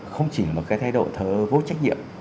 không chỉ là một cái thái độ vô trách nhiệm